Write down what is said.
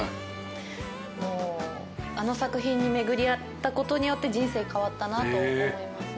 もうあの作品に巡り合ったことによって人生変わったなと思いますね。